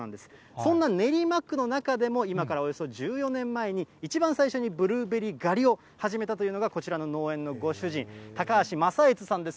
そんな練馬区の中でも、今からおよそ１４年前に、一番最初にブルーベリー狩りを始めたというのが、こちらの農園のご主人、高橋正悦さんです。